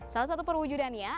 salah satu perwujudannya